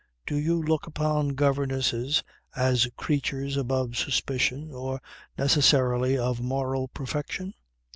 Do you look upon governesses as creatures above suspicion or necessarily of moral perfection?